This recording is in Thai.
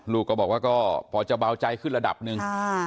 ลูกก็บอกว่าก็พอจะเบาใจขึ้นระดับหนึ่ง